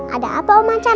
ada apa om achan